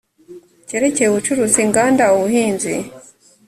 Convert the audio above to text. cyerekeye ubucuruzi inganda ubuhinzi